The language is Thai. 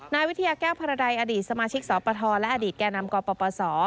นายวิทยาแก้วพรดัยอดีตสมาชิกสปทและอดีตแก่นำกปศ